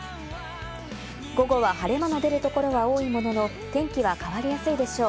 午後は晴れ間の出るところは多いものの、天気は変わりやすいでしょう。